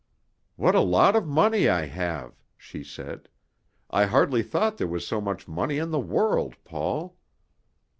"What a lot of money I have," she said. "I hardly thought there was so much money in the world, Paul."